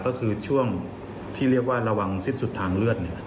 ก็คือช่วงที่เรียกว่าระวังสิ้นสุดทางเลือด